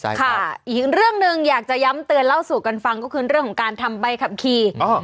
ใช่ค่ะอีกเรื่องหนึ่งอยากจะย้ำเตือนเล่าสู่กันฟังก็คือเรื่องของการทำใบขับขี่